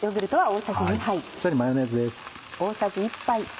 こちらにマヨネーズです。